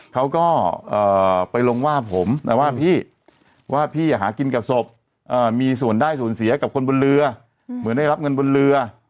เขาก็ไปลงว่าผมนะว่าพี่ว่าพี่หากินกับศพมีส่วนได้ส่วนเสียกับคนบนเรือเหมือนได้รับเงินบนเรือ